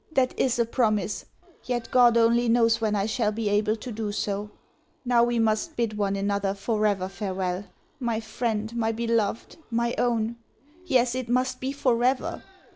That is a promise. Yet God only knows when I shall be able to do so.... Now we must bid one another forever farewell, my friend, my beloved, my own! Yes, it must be forever!